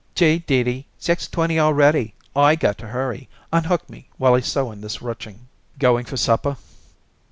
"Gee! Dee Dee, six twenty already! I got to hurry. Unhook me while I sew in this ruching." "Going for supper?"